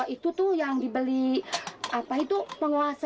itu tuh yang dibeli apa itu penguasa